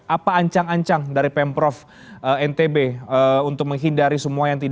apa ancang ancang dari pemprov ntb untuk menghindari semua yang terjadi